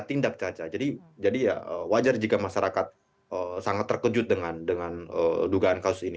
tindak saja jadi jadi ya wajar jika masyarakat sangat terkejut dengan dengan gedungan kau sini